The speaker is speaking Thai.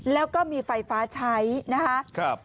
แล้วก็มีไฟฟ้าใช้นะคะ